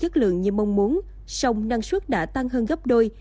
chất lượng như mong muốn sông năng suất đã tăng hơn gấp đôi